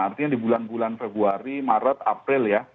artinya di bulan bulan februari maret april ya